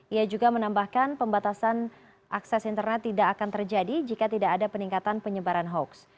ia juga menambahkan pembatasan akses internet tidak akan terjadi jika tidak ada peningkatan penyebaran hoax